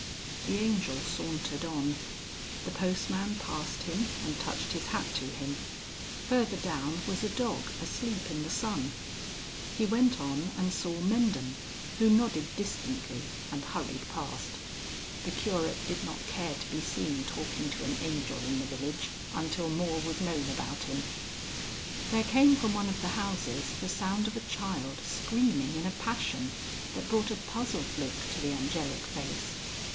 The Angel sauntered on. The postman passed him and touched his hat to him; further down was a dog asleep in the sun. He went on and saw Mendham, who nodded distantly and hurried past. (The Curate did not care to be seen talking to an angel in the village, until more was known about him). There came from one of the houses the sound of a child screaming in a passion, that brought a puzzled look to the angelic face.